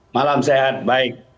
malam sehat baik